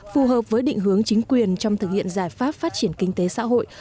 phù hợp với định hướng chính quyền trong thực hiện giải pháp phát triển kinh tế xã hội